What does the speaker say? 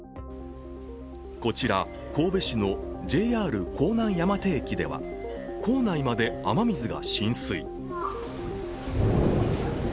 こちら、神戸市のＪＲ甲南山手駅では構内まで雨水が浸水。